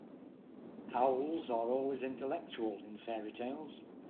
Owls are always intellectual in fairy-tales.